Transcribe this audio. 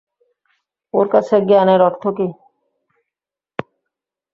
ওর কাছে জ্ঞানের অর্থ কী?